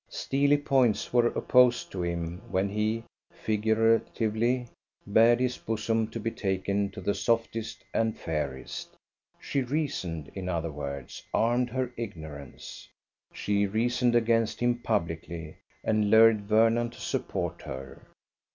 Steely points were opposed to him when he, figuratively, bared his bosom to be taken to the softest and fairest. She reasoned: in other words, armed her ignorance. She reasoned against him publicly, and lured Vernon to support her.